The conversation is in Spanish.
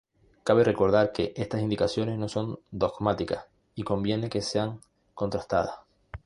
Cabe recordar que estas indicaciones no son dogmáticas y conviene que sean contrastadas.